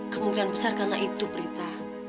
kemungkinan besar karena itu berita